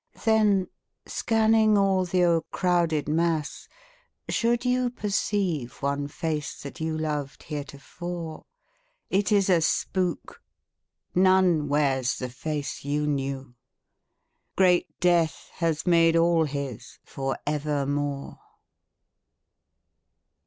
Then, scanning all the o'ercrowded mass, should you Perceive one face that you loved heretofore, It is a spook. None wears the face you knew. Great death has made all his for evermore.